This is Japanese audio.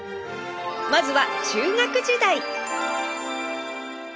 まずは中学時代